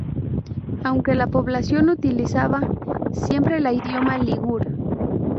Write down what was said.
Aunque la población utilizaba siempre la Idioma ligur.